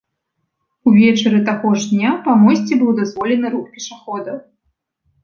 Увечары таго ж дня па мосце быў дазволены рух пешаходаў.